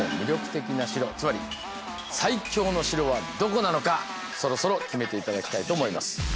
つまり最強の城はどこなのかそろそろ決めて頂きたいと思います。